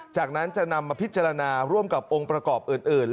จากนั้นจะนำมาพิจารณาร่วมกับองค์ประกอบอื่น